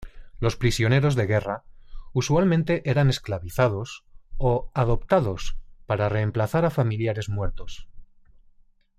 Los prisioneros de guerra usualmente eran esclavizados o "adoptados" para reemplazar a familiares muertos.